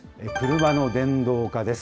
車の電動化です。